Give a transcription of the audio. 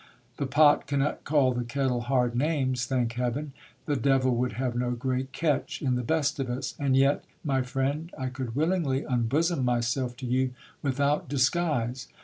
The pot cannot call the kettle hard names, thank heaven. The devil would have no great catch in the best of us. And yet, my frier d, I could willingly unbosom myself to you without disguise.